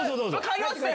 帰りますね！